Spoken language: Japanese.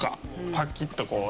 パキッとこうね。